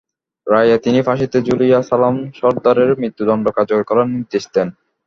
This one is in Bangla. রায়ে তিনি ফাঁসিতে ঝুলিয়ে সালাম সরদারের মৃত্যুদণ্ড কার্যকর করার নির্দেশ দেন।